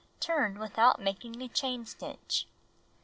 Turn without making a chain stitch.